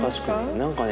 何かね